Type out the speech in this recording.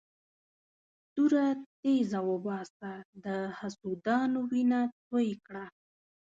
توره تېزه وباسه د حسودانو وینه توی کړه.